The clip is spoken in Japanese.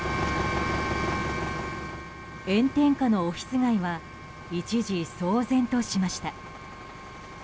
炎天下のオフィス街は一時、騒然としました。